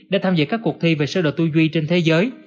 để tham dự các cuộc thi về sơ đồ tư duy trên thế giới